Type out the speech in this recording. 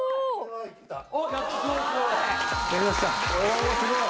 舛すごい。